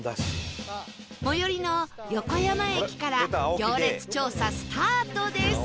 最寄りの横山駅から行列調査スタートです